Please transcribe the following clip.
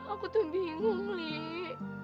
aku tuh bingung li